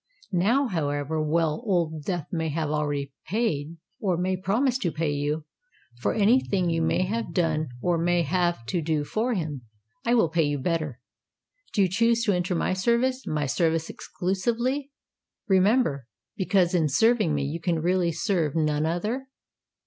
Now, however well Old Death may have already paid, or may promise to pay you, for any thing you may have done or may have to do for him, I will pay you better. Do you choose to enter my service—my service exclusively, remember; because, in serving me, you can really serve none other?"